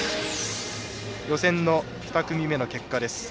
予選の２組目の結果です。